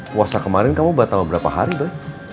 puasa kemarin kamu batal berapa hari doh